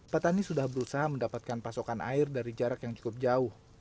petani sudah berusaha mendapatkan pasokan air dari jarak yang cukup jauh